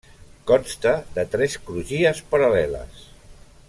Consta de tres crugies paral·leles.